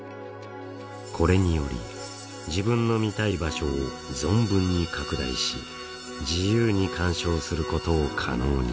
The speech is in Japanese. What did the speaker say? これにより自分の見たい場所を存分に拡大し自由に鑑賞することを可能にした。